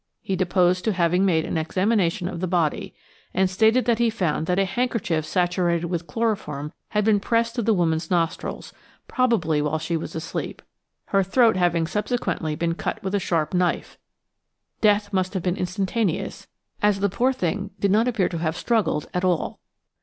He deposed to having made an examination of the body, and stated that he found that a handkerchief saturated with chloroform had been pressed to the woman's nostrils, probably while she was asleep, her throat having subsequently been cut with a sharp knife; death must have been instantaneous, as the poor thing did not appear to have struggled at all.